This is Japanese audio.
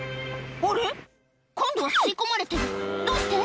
今度は吸い込まれてるどうして？